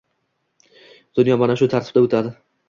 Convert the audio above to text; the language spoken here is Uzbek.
Dunyo mana shu tartibda o‘tadi.